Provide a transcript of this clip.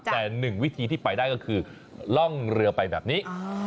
แต่หนึ่งวิธีที่ไปได้ก็คือล่องเรือไปแบบนี้